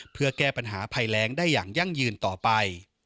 เพื่อแก้ปัญหาภัยแรงได้อย่างยั่งยืนต่อไป